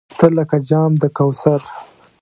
تۀ لکه جام د کوثر !